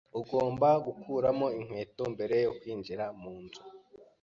Ugomba gukuramo inkweto mbere yo kwinjira munzu.